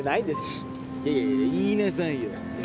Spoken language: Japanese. いやいや言いなさいよ。